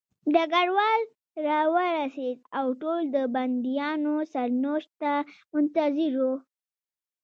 ډګروال راورسېد او ټول د بندیانو سرنوشت ته منتظر وو